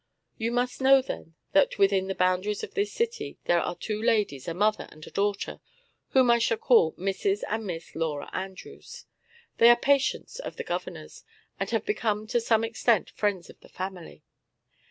You must know, then, that within the boundaries of this city there are two ladies, a mother and a daughter, whom I shall call Mrs. and Miss Laura Andrews. They are patients of the governor's, and have become to some extent friends of the family.